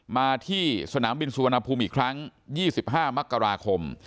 มาที่สนามบินสุวรรณภูมิอีกครั้ง๒๕มกราคม